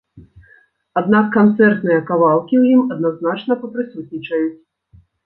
Аднак канцэртныя кавалкі ў ім адназначна папрысутнічаюць.